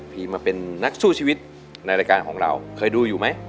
มาเป็นนักสู้ชีวิตในรายการของเราเคยดูอยู่ไหม